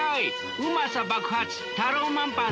うまさ爆発タローマンパンだよ。